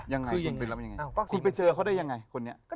ยังไงคุณไปเจอเขาได้ยังไงคนนี้